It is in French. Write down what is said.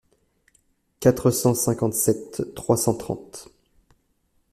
quatre cent cinquante-sept trois cent trente.